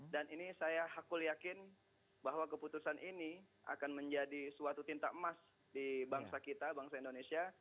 dan ini saya hakul yakin bahwa keputusan ini akan menjadi suatu tinta emas di bangsa kita bangsa indonesia